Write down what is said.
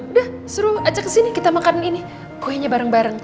udah suruh ajak ke sini kita makan ini kuenya bareng bareng